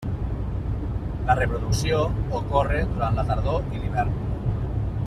La reproducció ocorre durant la tardor i l'hivern.